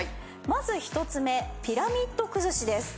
まず１つ目ピラミッド崩しです。